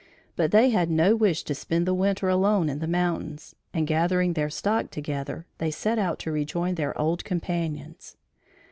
But they had no wish to spend the winter alone in the mountains and gathering their stock together, they set out to rejoin their old companions.